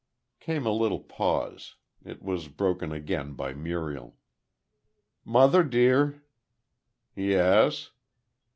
Came a little pause. It was broken again by Muriel. "Mother, dear." "Yes?"